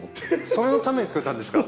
そのために造ったんですか？